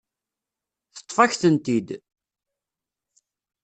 Teṭṭef-ak-tent-id.